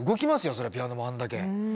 そりゃピアノもあんだけ。